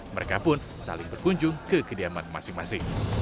mereka pun saling berkunjung ke kediaman masing masing